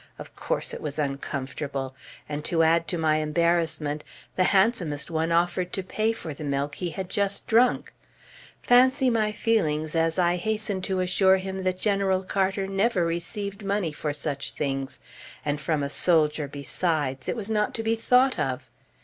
Of course, it was uncomfortable! and to add to my embarrassment, the handsomest one offered to pay for the milk he had just drunk! Fancy my feelings, as I hastened to assure him that General Carter never received money for such things, and from a soldier, besides, it was not to be thought of!